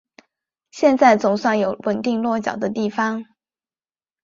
现在总算有稳定落脚的地方